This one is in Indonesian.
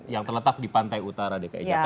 yang terletak di pantai utara dki jakarta